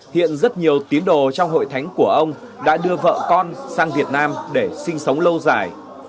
hiện rất nhiều tín đồ trong hội thánh của ông đã đưa vợ con sang việt nam để sinh sống lâu dài